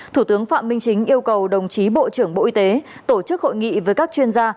thủ tướng phạm minh chính yêu cầu đồng chí bộ trưởng bộ y tế tổ chức hội nghị với các chuyên gia